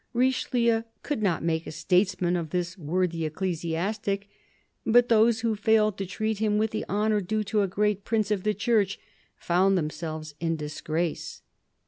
Richelieu could not make a statesman of this worthy ecclesiastic, but those who failed to treat him with the honour due to a great prince of the Church found them selves in disgrace.